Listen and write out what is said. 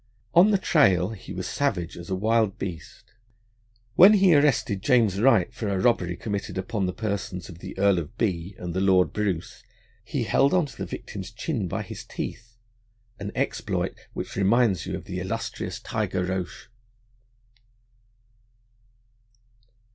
On the trail he was savage as a wild beast. When he arrested James Wright for a robbery committed upon the persons of the Earl of B l n and the Lord Bruce, he held on to the victim's chin by his teeth an exploit which reminds you of the illustrious Tiger Roche.